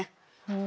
うん。